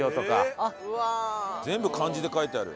全部漢字で書いてある。